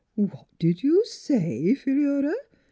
"What did you say, Phi lura?"